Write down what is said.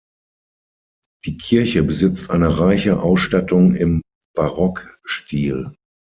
Die Kirche besitzt eine reiche Ausstattung im Barockstil.